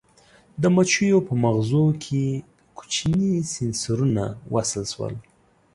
د مچیو په مغزو کې کوچني سېنسرونه وصل شول.